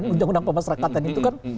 undang undang pemasarakatan itu kan